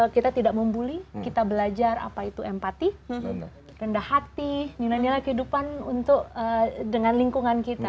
kita tidak membuli kita belajar apa itu empati rendah hati nilai nilai kehidupan untuk dengan lingkungan kita